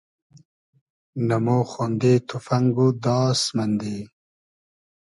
نۂ مۉ خۉندې توفئنگ و داس مئندی